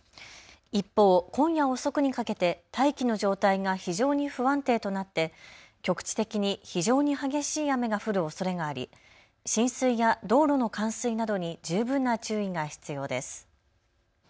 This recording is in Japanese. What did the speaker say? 一方、今夜遅くにかけて大気の状態が非常に不安定となって局地的に非常に激しい雨が降るおそれがあり浸水や道路の冠水などに十分な注意が必要です。